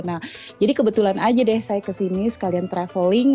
nah jadi kebetulan aja deh saya kesini sekalian traveling